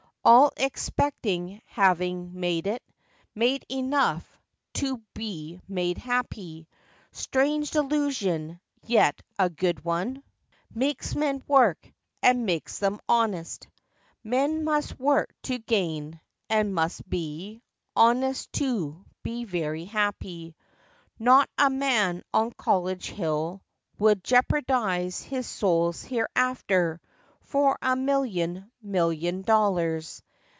All expecting, having made it— Made enough—to be made happy ! Strange delusion ! Yet a good one— 8 FACTS AND FANCIES. Makes men work, and makes them honest. Men must work to gain; and must be Honest, to be very happy. Not a man on College Hill would Jeopardize his souks "hereafter" For a million million dollars